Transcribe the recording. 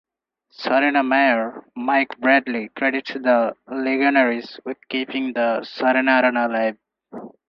Sarnia Mayor Mike Bradley credits the Legionnaires with keeping the Sarnia Arena alive.